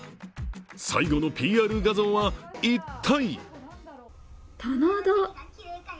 最後のＰＲ画像は一体？